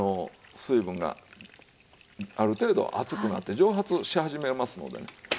水分がある程度熱くなって蒸発し始めますのでね。